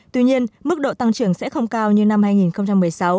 tuy nhiên mức độ tăng trưởng sẽ không cao như năm hai nghìn một mươi sáu